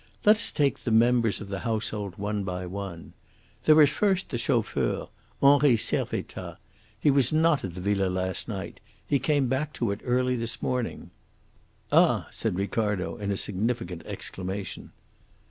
Let us take the members of the household one by one. There is first the chauffeur, Henri Servettaz. He was not at the villa last night. He came back to it early this morning." "Ah!" said Ricardo, in a significant exclamation.